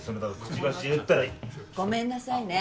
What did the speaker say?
ごめんなさいね。